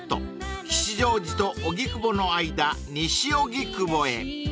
［吉祥寺と荻窪の間西荻窪へ］